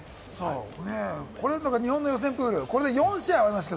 日本の予選プール、これで４試合終わりました。